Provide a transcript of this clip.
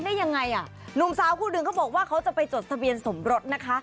ได้ยังไงอ่ะหนุ่มสาวคู่หนึ่งเขาบอกว่าเขาจะไปจดทะเบียนสมรสนะคะ